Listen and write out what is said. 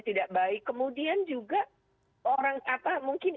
tidak baik kemudian juga orang apa mungkin